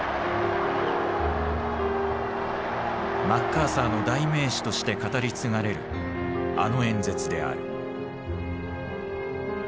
マッカーサーの代名詞として語り継がれるあの演説である。